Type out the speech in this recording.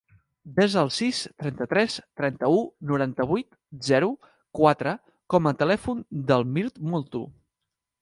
Desa el sis, trenta-tres, trenta-u, noranta-vuit, zero, quatre com a telèfon del Mirt Molto.